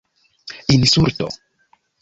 insulto